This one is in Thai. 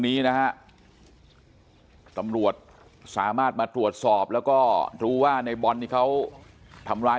นี้นะฮะตำรวจสามารถมาตรวจสอบแล้วก็รู้ว่าในบอลนี่เขาทำร้าย